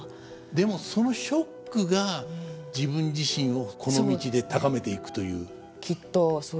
でもそのショックが自分自身をこの道で高めていくという。